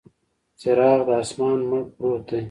څراغ د اسمان، مړ پروت دی